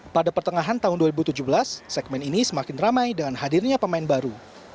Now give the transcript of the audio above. pada pertengahan tahun dua ribu tujuh belas segmen ini semakin ramai dengan hadirnya pemain baru